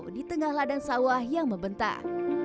di tengah ladang sawah yang membentang